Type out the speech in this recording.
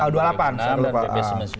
dan pp sembilan puluh sembilan